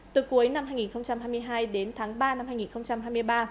từ cuối năm hai nghìn hai mươi hai đến tháng ba năm hai nghìn hai mươi ba